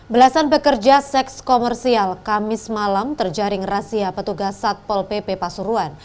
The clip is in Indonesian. belasan pekerja seks komersial kamis malam terjaring razia petugas satpol pp pasuruan